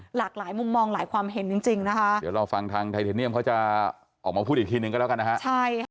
หลากหลายมุมมองหลายความเห็นจริงจริงนะคะเดี๋ยวเราฟังทางไทเทเนียมเขาจะออกมาพูดอีกทีนึงก็แล้วกันนะฮะใช่ค่ะ